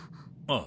ああ。